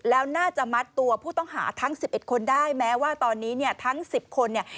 แล้วน่าจะมัดตัวผู้ต้องหาทั้ง๑๑คนได้แม้ว่าตอนนี้เนี่ยทั้ง๑๐คนเนี่ย